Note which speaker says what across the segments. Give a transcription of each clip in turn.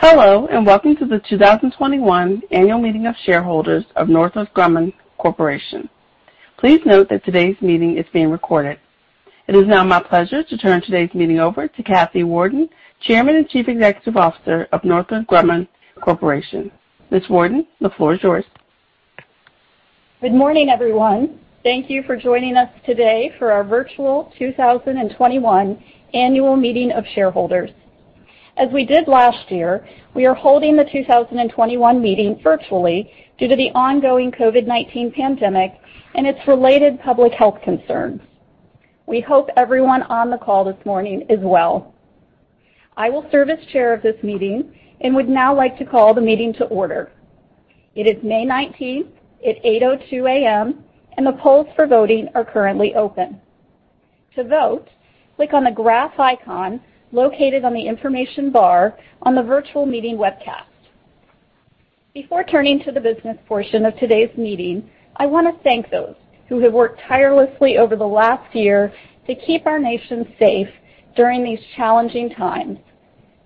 Speaker 1: Hello, welcome to the 2021 Annual Meeting of Shareholders of Northrop Grumman Corporation. Please note that today's meeting is being recorded. It is now my pleasure to turn today's meeting over to Kathy Warden, Chairman and Chief Executive Officer of Northrop Grumman Corporation. Ms. Warden, the floor is yours.
Speaker 2: Good morning, everyone. Thank you for joining us today for our virtual 2021 annual meeting of shareholders. As we did last year, we are holding the 2021 meeting virtually due to the ongoing COVID-19 pandemic and its related public health concerns. We hope everyone on the call this morning is well. I will serve as chair of this meeting and would now like to call the meeting to order. It is May 19th at 8:02 A.M., and the polls for voting are currently open. To vote, click on the graph icon located on the information bar on the virtual meeting webcast. Before turning to the business portion of today's meeting, I want to thank those who have worked tirelessly over the last year to keep our nation safe during these challenging times,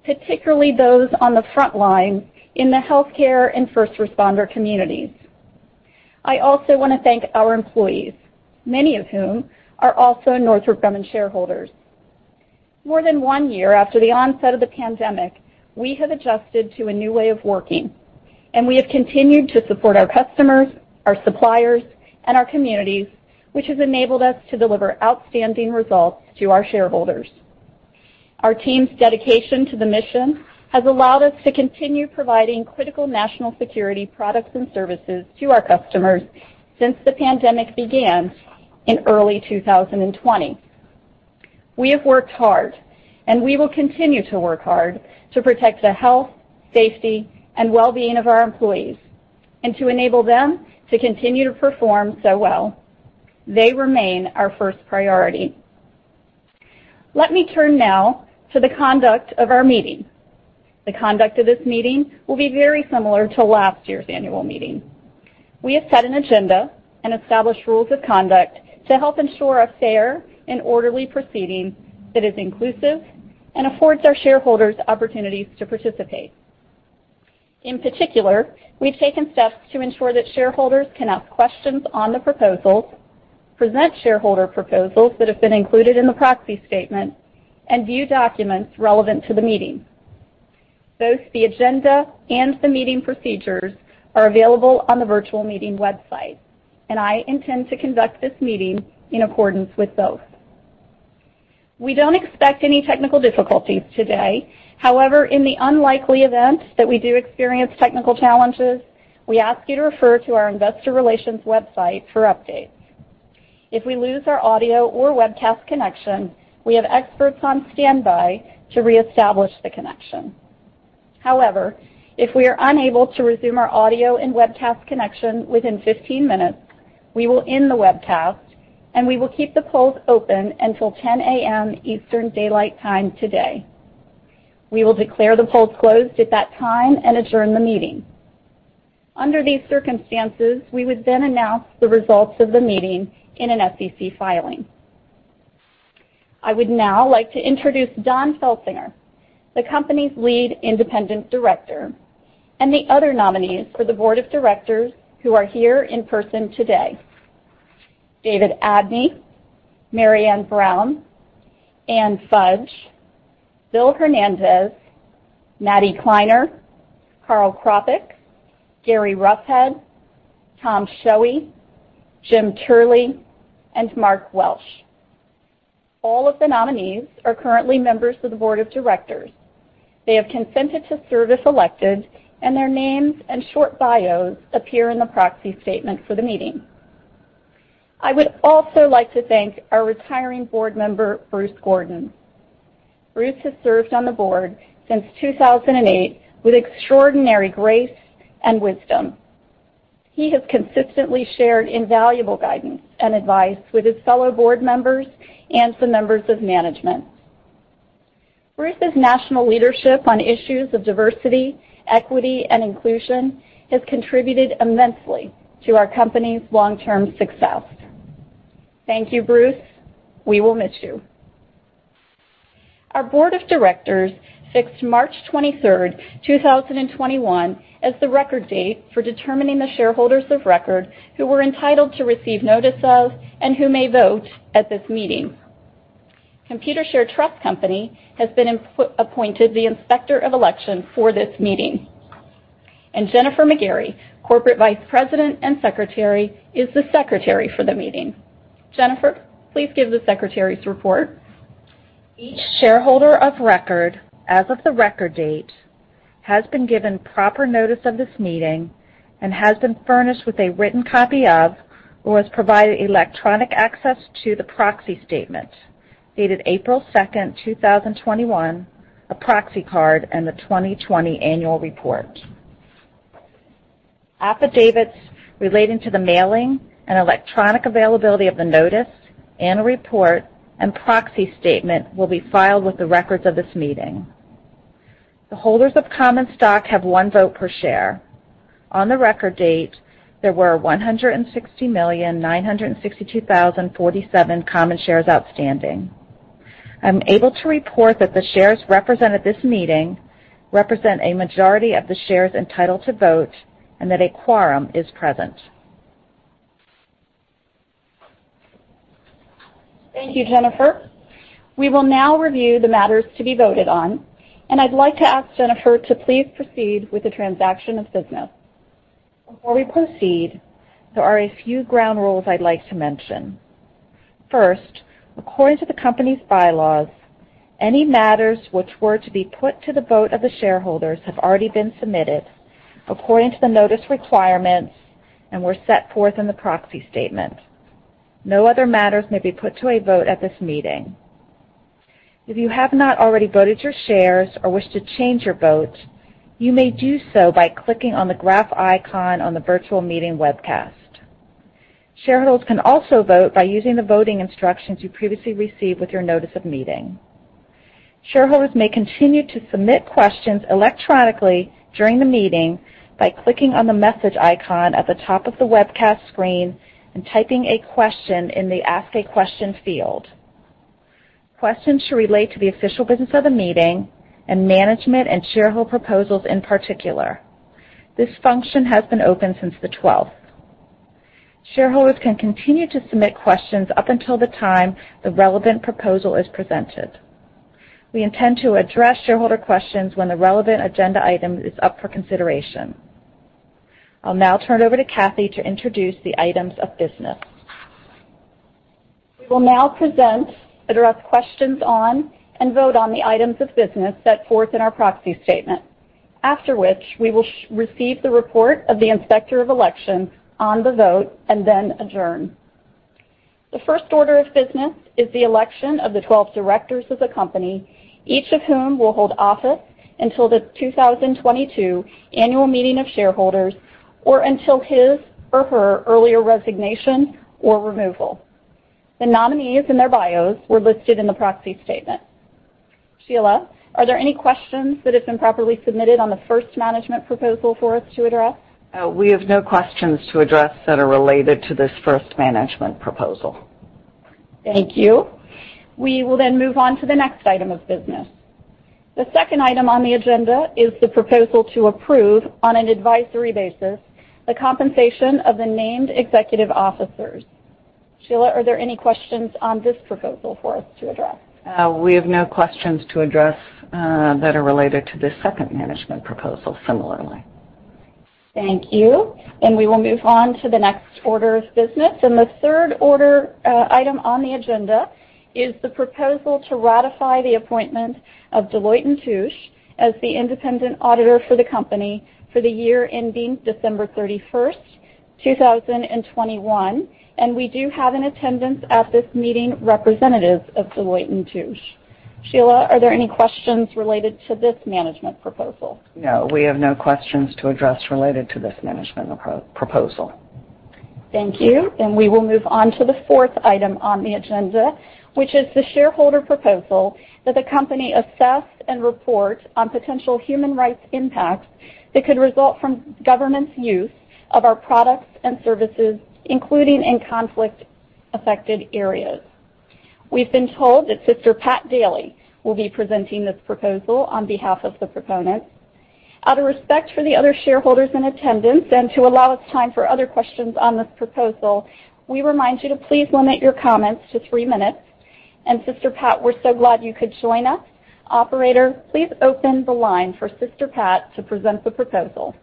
Speaker 2: particularly those on the front line in the healthcare and first responder communities. I also want to thank our employees, many of whom are also Northrop Grumman shareholders. More than one year after the onset of the pandemic, we have adjusted to a new way of working, and we have continued to support our customers, our suppliers, and our communities, which has enabled us to deliver outstanding results to our shareholders. Our team's dedication to the mission has allowed us to continue providing critical national security products and services to our customers since the pandemic began in early 2020. We have worked hard, and we will continue to work hard to protect the health, safety, and well-being of our employees and to enable them to continue to perform so well. They remain our first priority. Let me turn now to the conduct of our meeting. The conduct of this meeting will be very similar to last year's annual meeting. We have set an agenda and established rules of conduct to help ensure a fair and orderly proceeding that is inclusive and affords our shareholders opportunities to participate. In particular, we've taken steps to ensure that shareholders can ask questions on the proposals, present shareholder proposals that have been included in the proxy statement, and view documents relevant to the meeting. Both the agenda and the meeting procedures are available on the virtual meeting website, and I intend to conduct this meeting in accordance with both. We don't expect any technical difficulties today. However, in the unlikely event that we do experience technical challenges, we ask you to refer to our Investor Relations website for updates. If we lose our audio or webcast connection, we have experts on standby to reestablish the connection. If we are unable to resume our audio and webcast connection within 15 minutes, we will end the webcast, and we will keep the polls open until 10:00 A.M. Eastern Daylight Time today. We will declare the polls closed at that time and adjourn the meeting. Under these circumstances, we would then announce the results of the meeting in an SEC filing. I would now like to introduce Don Felsinger, the company's lead independent director, and the other nominees for the board of directors who are here in person today: David Abney, Mary Ann Brown, Anne Fudge, Bill Hernandez, Madeleine Kleiner, Karl Krapek, Gary Roughead, Tom Schoewe, Jim Turley, and Mark Welsh. All of the nominees are currently members of the board of directors. They have consented to serve if elected, and their names and short bios appear in the proxy statement for the meeting. I would also like to thank our retiring board member, Bruce Gordon. Bruce has served on the board since 2008 with extraordinary grace and wisdom. He has consistently shared invaluable guidance and advice with his fellow board members and the members of management. Bruce's national leadership on issues of diversity, equity, and inclusion has contributed immensely to our company's long-term success. Thank you, Bruce. We will miss you. Our board of directors fixed March 23rd, 2021, as the record date for determining the shareholders of record who were entitled to receive notice of and who may vote at this meeting. Computershare Trust Company has been appointed the inspector of elections for this meeting, and Jennifer C. McGarey, Corporate Vice President and Secretary, is the Secretary for the meeting. Jennifer, please give the secretary's report. Each shareholder of record as of the record date has been given proper notice of this meeting and has been furnished with a written copy of, or was provided electronic access to, the proxy statement dated April 2nd, 2021, a proxy card, and the 2020 annual report. Affidavits relating to the mailing and electronic availability of the notice and report and proxy statement will be filed with the records of this meeting. The holders of common stock have one vote per share. On the record date, there were 160,962,047 common shares outstanding. I'm able to report that the shares represented at this meeting represent a majority of the shares entitled to vote and that a quorum is present. Thank you, Jennifer. We will now review the matters to be voted on, and I'd like to ask Jennifer to please proceed with the transaction of business. Before we proceed, there are a few ground rules I'd like to mention. First, according to the company's bylaws, any matters which were to be put to the vote of the shareholders have already been submitted according to the notice requirements and were set forth in the proxy statement. No other matters may be put to a vote at this meeting. If you have not already voted your shares or wish to change your vote, you may do so by clicking on the graph icon on the virtual meeting webcast. Shareholders can also vote by using the voting instructions you previously received with your notice of meeting. Shareholders may continue to submit questions electronically during the meeting by clicking on the message icon at the top of the webcast screen and typing a question in the Ask a Question field. Questions should relate to the official business of the meeting and management and shareholder proposals in particular. This function has been open since the 12th. Shareholders can continue to submit questions up until the time the relevant proposal is presented. We intend to address shareholder questions when the relevant agenda item is up for consideration. I'll now turn over to Kathy to introduce the items of business. We will now present, address questions on, and vote on the items of business set forth in our proxy statement. After which, we will receive the report of the inspector of elections on the vote and then adjourn. The first order of business is the election of the 12 directors of the company, each of whom will hold office until the 2022 annual meeting of shareholders, or until his or her earlier resignation or removal. The nominees and their bios were listed in the proxy statement. Sheila, are there any questions that have been properly submitted on the first management proposal for us to address?
Speaker 1: We have no questions to address that are related to this first management proposal.
Speaker 2: Thank you. We will then move on to the next item of business. The second item on the agenda is the proposal to approve, on an advisory basis, the compensation of the named executive officers. Sheila, are there any questions on this proposal for us to address?
Speaker 1: We have no questions to address that are related to this second management proposal, similarly.
Speaker 2: Thank you. We will move on to the next order of business. The third item on the agenda is the proposal to ratify the appointment of Deloitte & Touche as the independent auditor for the company for the year ending December 31st, 2021, and we do have in attendance at this meeting representatives of Deloitte & Touche. Sheila, are there any questions related to this management proposal?
Speaker 1: No, we have no questions to address related to this management proposal.
Speaker 2: Thank you. We will move on to the fourth item on the agenda, which is the shareholder proposal that the company assess and report on potential human rights impacts that could result from governments' use of our products and services, including in conflict-affected areas. We've been told that Sister Pat Daly will be presenting this proposal on behalf of the proponents. Out of respect for the other shareholders in attendance and to allow time for other questions on this proposal, we remind you to please limit your comments to three minutes. Sister Pat, we're so glad you could join us. Operator, please open the line for Sister Pat to present the proposal.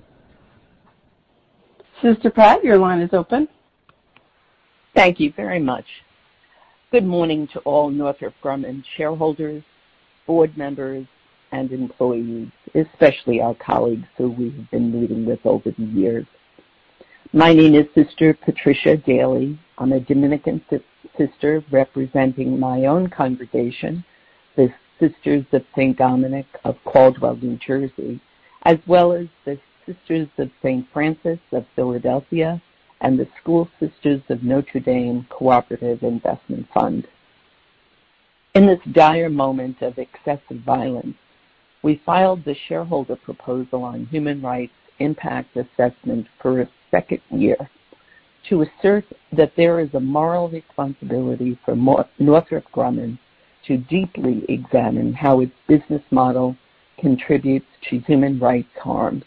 Speaker 2: Sister Pat, your line is open.
Speaker 3: Thank you very much. Good morning to all Northrop Grumman shareholders, board members, and employees, especially our colleagues who we've been meeting with over the years. My name is Sister Patricia Daly. I'm a Dominican sister representing my own congregation, the Sisters of Saint Dominic of Caldwell, New Jersey, as well as the Sisters of Saint Francis of Philadelphia and the School Sisters of Notre Dame Cooperative Investment Fund. In this dire moment of excessive violence, we filed the shareholder proposal on human rights impact assessment for a second year to assert that there is a moral responsibility for Northrop Grumman to deeply examine how its business model contributes to human rights harms.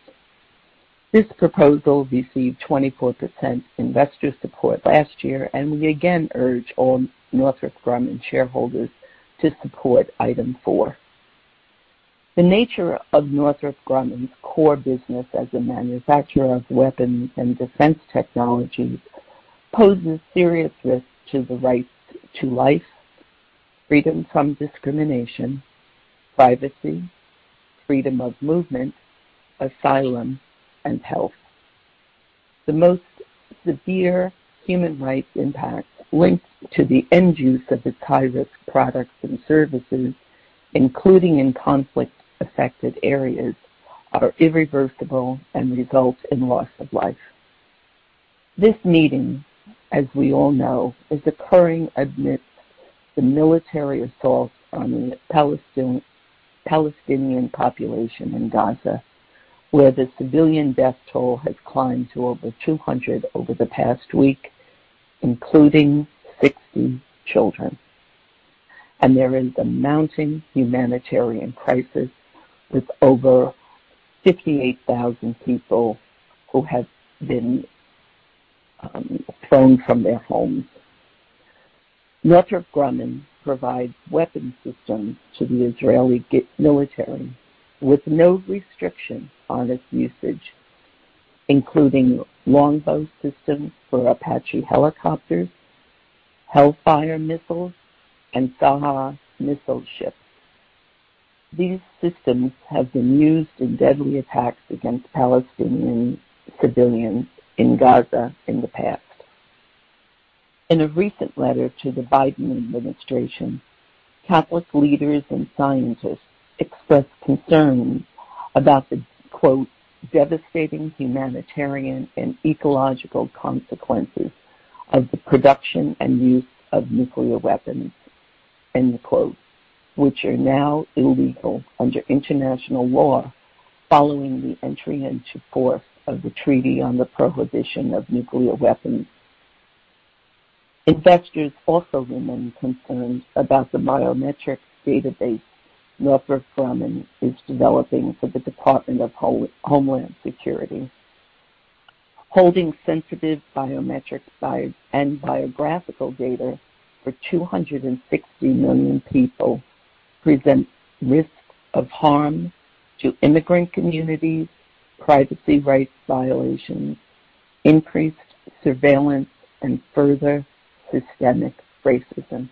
Speaker 3: This proposal received 24% investor support last year. We again urge all Northrop Grumman shareholders to support Item four. The nature of Northrop Grumman's core business as a manufacturer of weapons and defense technologies poses serious risks to the rights to life, freedom from discrimination, privacy, freedom of movement, asylum, and health. The most severe human rights impacts linked to the end use of its high-risk products and services, including in conflict-affected areas, are irreversible and result in loss of life. This meeting, as we all know, is occurring amidst the military assault on the Palestinian population in Gaza, where the civilian death toll has climbed to over 200 over the past week, including 60 children. There is a mounting humanitarian crisis with over 68,000 people who have been thrown from their homes. Northrop Grumman provides weapon systems to the Israeli military with no restrictions on its usage, including LONGBOW systems for Apache helicopters, Hellfire missiles, and Sa'ar missile ships. These systems have been used in deadly attacks against Palestinian civilians in Gaza in the past. In a recent letter to the Biden administration, Catholic leaders and scientists expressed concerns about the, quote, "devastating humanitarian and ecological consequences of the production and use of nuclear weapons," end quote, which are now illegal under international law following the entry into force of the Treaty on the Prohibition of Nuclear Weapons. Investors also remain concerned about the biometric database Northrop Grumman is developing for the Department of Homeland Security. Holding sensitive biometric size and biographical data for 260 million people presents risks of harm to immigrant communities, privacy rights violations, increased surveillance, and further systemic racism.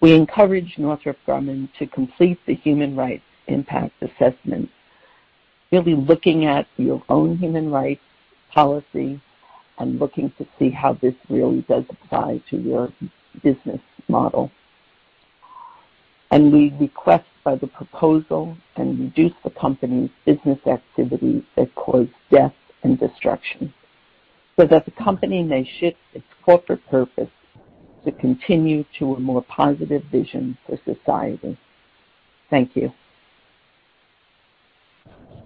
Speaker 3: We encourage Northrop Grumman to complete the human rights impact assessment, really looking at your own human rights policy and looking to see how this really does apply to your business model. We request by the proposal and reduce the company's business activities that cause death and destruction so that the company may shift its corporate purpose to continue to a more positive vision for society. Thank you.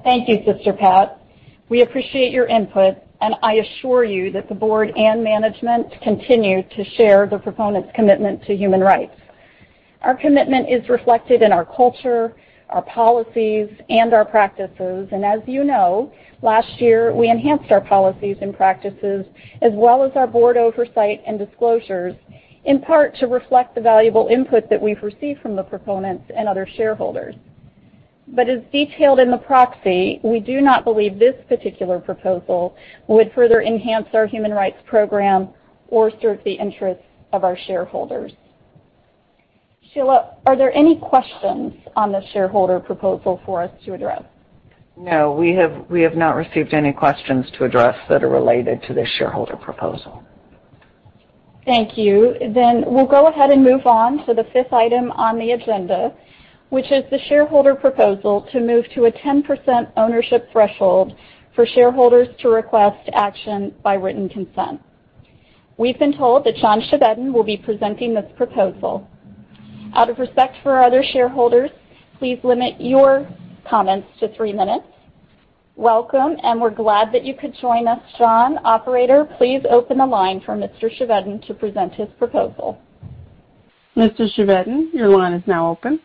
Speaker 2: Thank you, Sister Pat. We appreciate your input. I assure you that the board and management continue to share the proponents' commitment to human rights. Our commitment is reflected in our culture, our policies, and our practices. As you know, last year, we enhanced our policies and practices as well as our board oversight and disclosures, in part to reflect the valuable input that we've received from the proponents and other shareholders. As detailed in the proxy, we do not believe this particular proposal would further enhance our human rights program or serve the interests of our shareholders. Sheila, are there any questions on the shareholder proposal for us to address?
Speaker 1: No, we have not received any questions to address that are related to the shareholder proposal.
Speaker 2: Thank you. We'll go ahead and move on to the fifth item on the agenda, which is the shareholder proposal to move to a 10% ownership threshold for shareholders to request action by written consent. We've been told that John Chevedden will be presenting this proposal. Out of respect for other shareholders, please limit your comments to three minutes. Welcome, we're glad that you could join us, John. Operator, please open a line for Mr. Chevedden to present his proposal.
Speaker 1: Mr. Chevedden, your line is now open.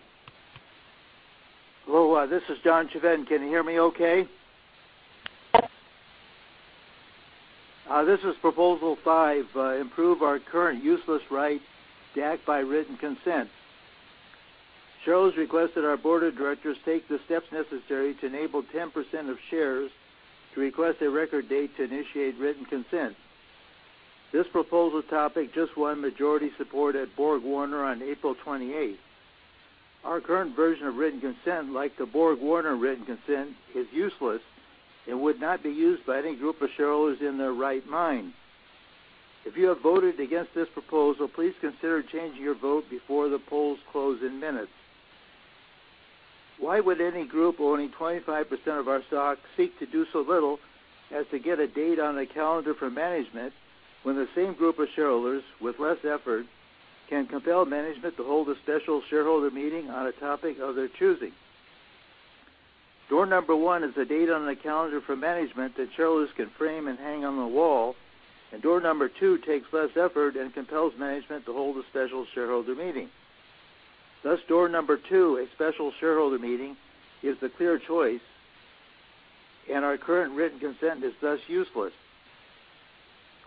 Speaker 4: Hello, this is John Chevedden. Chttps://editor.remoatteams.com/static/media/icon-play.39003f0a4baacd961cc853b952165cc5.svgan you hear me okay? This is Proposal five, improve our current useless right to act by written consent. Shareholders request that our board of directors take the steps necessary to enable 10% of shares to request a record date to initiate written consent. This proposal topic just won majority support at BorgWarner on April 28th. Our current version of written consent, like the BorgWarner written consent, is useless and would not be used by any group of shareholders in their right mind. If you have voted against this proposal, please consider changing your vote before the polls close in minutes. Why would any group owning 25% of our stock seek to do so little as to get a date on the calendar for management when the same group of shareholders with less effort can compel management to hold a special shareholder meeting on a topic of their choosing? Door number one is a date on the calendar for management that shareholders can frame and hang on the wall, and door number two takes less effort and compels management to hold a special shareholder meeting. Thus, door number two, a special shareholder meeting, is the clear choice, and our current written consent is thus useless.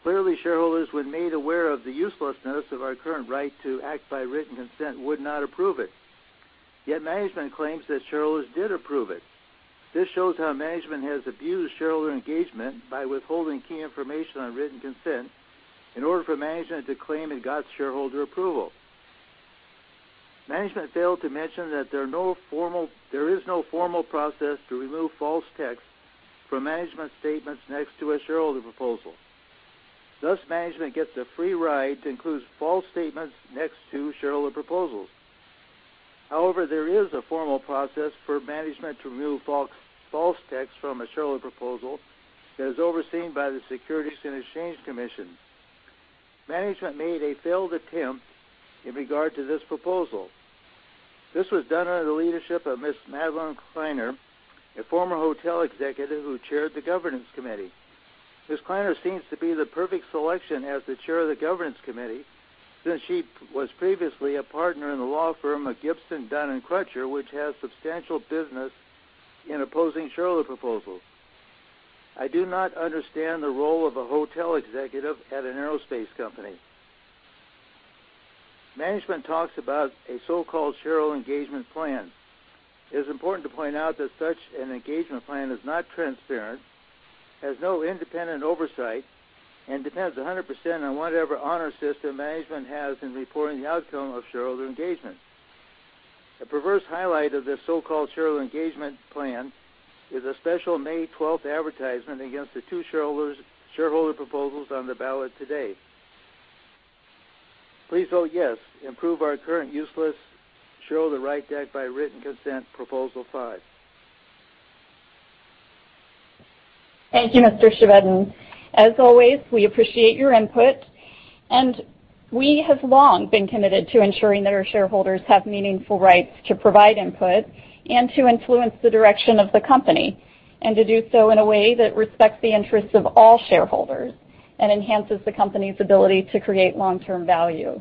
Speaker 4: Clearly, shareholders when made aware of the uselessness of our current right to act by written consent would not approve it. Yet management claims that shareholders did approve it. This shows how management has abused shareholder engagement by withholding key information on written consent in order for management to claim it got shareholder approval. Management failed to mention that there is no formal process to remove false text from management statements next to a shareholder proposal. Thus, management gets a free ride to include false statements next to shareholder proposals. However, there is a formal process for management to remove false texts from a shareholder proposal that is overseen by the Securities and Exchange Commission. Management made a failed attempt in regard to this proposal. This was done under the leadership of Ms. Madeleine Kleiner, a former hotel executive who chaired the governance committee. Ms. Kleiner seems to be the perfect selection as the chair of the governance committee since she was previously a partner in the law firm of Gibson, Dunn & Crutcher, which has substantial business in opposing shareholder proposals. I do not understand the role of a hotel executive at an aerospace company. Management talks about a so-called shareholder engagement plan. It is important to point out that such an engagement plan is not transparent, has no independent oversight, and depends 100% on whatever honor system management has in reporting the outcome of shareholder engagement. A perverse highlight of this so-called shareholder engagement plan is a special May 12th advertisement against the two shareholder proposals on the ballot today. Please vote yes to improve our current useless shareholder rights act by written consent, proposal five.
Speaker 2: Thank you, Mr. Chevedden. As always, we appreciate your input, we have long been committed to ensuring that our shareholders have meaningful rights to provide input and to influence the direction of the company, and to do so in a way that respects the interests of all shareholders and enhances the company's ability to create long-term value.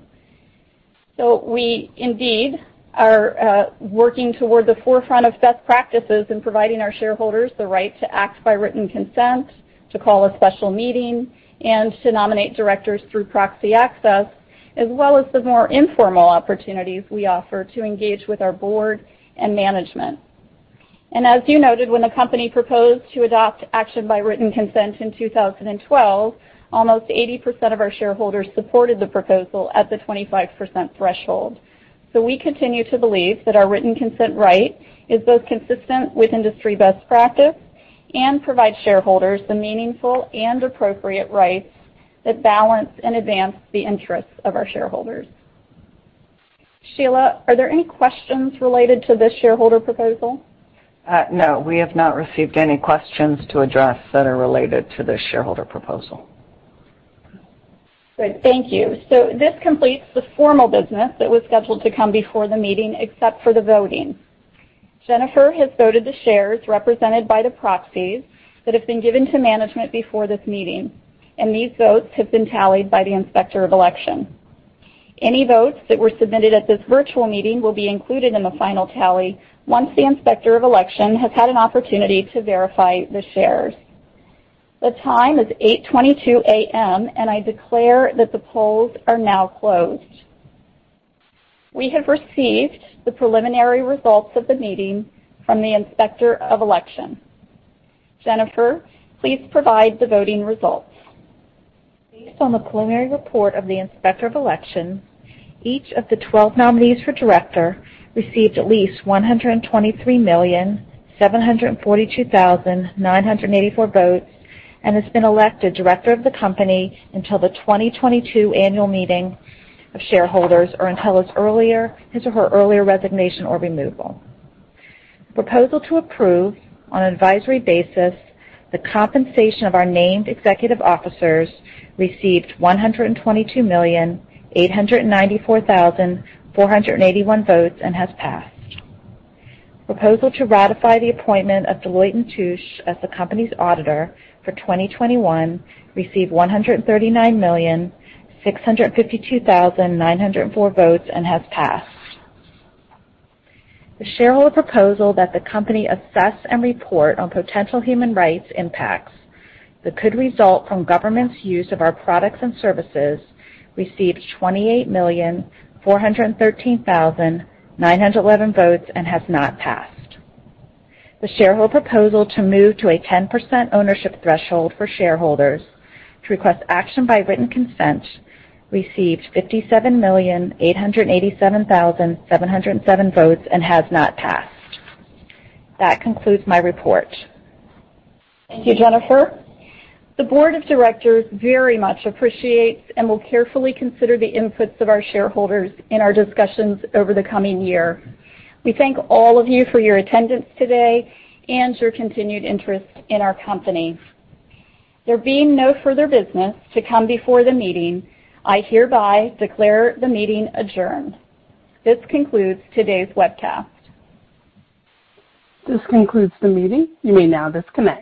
Speaker 2: We indeed are working toward the forefront of best practices in providing our shareholders the right to act by written consent, to call a special meeting, and to nominate directors through proxy access, as well as the more informal opportunities we offer to engage with our board and management. As you noted, when the company proposed to adopt action by written consent in 2012, almost 80% of our shareholders supported the proposal at the 25% threshold. We continue to believe that our written consent right is both consistent with industry best practice and provides shareholders the meaningful and appropriate rights that balance and advance the interests of our shareholders. Sheila, are there any questions related to this shareholder proposal?
Speaker 1: No, we have not received any questions to address that are related to this shareholder proposal.
Speaker 2: Great. Thank you. This completes the formal business that was scheduled to come before the meeting, except for the voting. Jennifer has voted the shares represented by the proxies that have been given to management before this meeting, and these votes have been tallied by the Inspector of Election. Any votes that were submitted at this virtual meeting will be included in the final tally once the Inspector of Election has had an opportunity to verify the shares. The time is 8:22 A.M., and I declare that the polls are now closed. We have received the preliminary results of the meeting from the Inspector of Election. Jennifer, please provide the voting results.
Speaker 5: Based on the preliminary report of the Inspector of Election, each of the 12 nominees for director received at least 123,742,984 votes and has been elected director of the company until the 2022 annual meeting of shareholders or until his or her earlier resignation or removal. Proposal to approve, on an advisory basis, the compensation of our named executive officers received 122,894,481 votes and has passed. Proposal to ratify the appointment of Deloitte & Touche as the company's auditor for 2021 received 139,652,904 votes and has passed. The shareholder proposal that the company assess and report on potential human rights impacts that could result from governments' use of our products and services received 28,413,911 votes and has not passed. The shareholder proposal to move to a 10% ownership threshold for shareholders to request action by written consent received 57,887,707 votes and has not passed. That concludes my report.
Speaker 2: Thank you, Jennifer. The board of directors very much appreciates and will carefully consider the inputs of our shareholders in our discussions over the coming year. We thank all of you for your attendance today and your continued interest in our company. There being no further business to come before the meeting, I hereby declare the meeting adjourned. This concludes today's webcast.
Speaker 1: This concludes the meeting. You may now disconnect.